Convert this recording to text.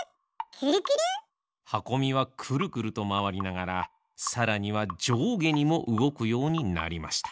クルクル！はこみはクルクルとまわりながらさらにはじょうげにもうごくようになりました。